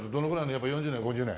やっぱ４０年５０年？